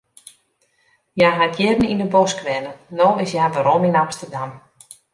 Hja hat jierren yn de bosk wenne, no is hja werom yn Amsterdam.